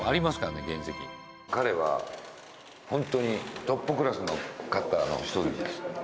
彼はホントにトップクラスのカッターの一人です